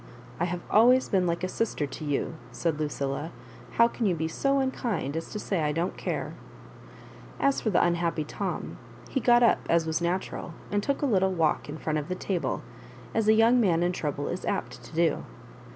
"I have always been like a sister to you," said LucUla ;" how can you be so unkind as to say I don't care ?" As for the unhappy Tom, he got up, as was natural, and took a little walk in front of the table, as a young man in trouble is apt to do.